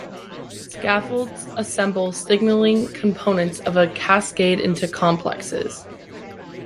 Scaffolds assemble signaling components of a cascade into complexes.